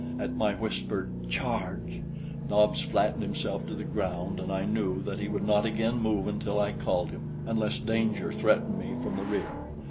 At my whispered "Charge!" Nobs flattened himself to the ground, and I knew that he would not again move until I called him, unless danger threatened me from the rear.